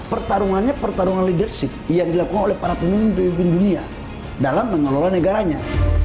pertarungannya pertarungan leadership yang dilakukan oleh para pemimpin pemimpin dunia dalam mengelola negaranya